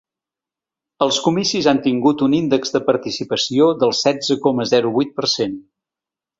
Els comicis han tingut un índex de participació del setze coma zero vuit per cent.